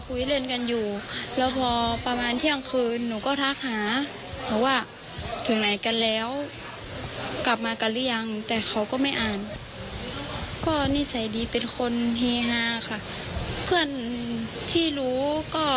ไม่เชื่อกับตัวเองเพราะว่าไม่คิดว่าจะเป็นเพื่อนตัวเอง